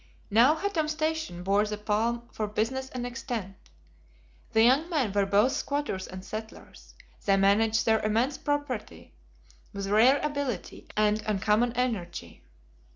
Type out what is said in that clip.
Now Hottam Station bore the palm for business and extent. The young men were both squatters and settlers. They managed their immense property with rare ability and uncommon energy.